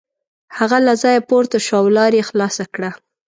هغه له ځایه پورته شو او لار یې خلاصه کړه.